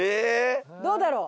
どうだろう？